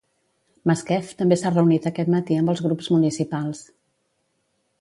Masquef també s'ha reunit aquest matí amb els grups municipals.